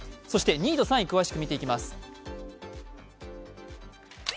そして２位と３位、詳しく見ていきます。